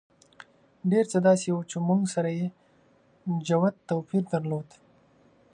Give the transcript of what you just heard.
ډېر څه داسې وو چې موږ سره یې جوت توپیر درلود.